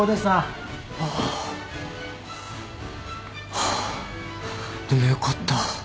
ハァでもよかった。